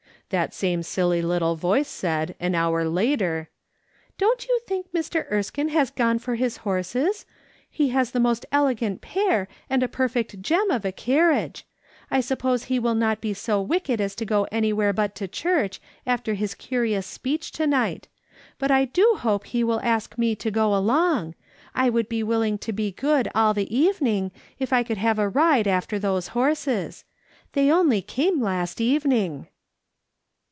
That same silly little voice said, an hour later :" Don't you think Mr, Erskine has gone for his horses ? He has the most elegant pair, and a perfect gem of a carriage. I suppose he will not be so wicked as to go anywhere but to church, after his curious speech to night ; but I do hope he will ask me to go along. I would be willing to be good all the evening, if I could have a ride after those horses. They only came last evening."